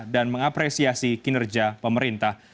dan mengapresiasi kinerja pemerintah